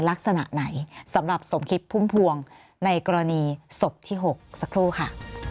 ลักษณะไหนสำหรับสมคิตพุ่มพวงในกรณีศพที่๖สักครู่ค่ะ